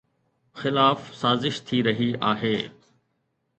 خلاف سازش ٿي رهي آهي